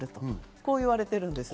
こう言われてるんです。